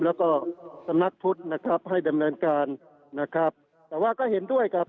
แล้วก็สำนักพุทธนะครับให้ดำเนินการนะครับแต่ว่าก็เห็นด้วยครับ